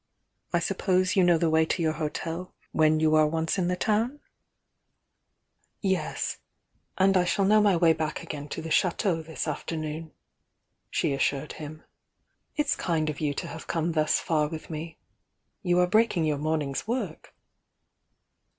I suppose you know the way to your hotel when you are once in the town?" "Yes^ —*^'^^^'^^^ know my way back again to the Chateau this afternoon," she assured him. "It's kind of you to have come thus far with me. You are breaking your morning's work."